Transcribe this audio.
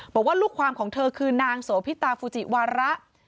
บอกว่าลูกความของเธอคือนางโสพิตาฟูจิวาระ